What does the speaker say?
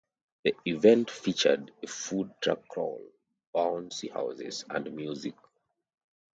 The event featured a food truck crawl, bouncy houses, and music.